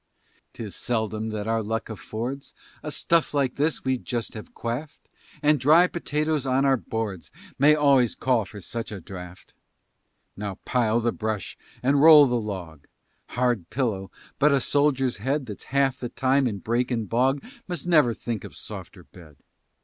'Tis seldom that our luck affords A stuff like this we just have quaffed, And dry potatoes on our boards May always call for such a draught. Now pile the brush and roll the log; Hard pillow, but a soldier's head That's half the time in brake and bog Must never think of softer bed.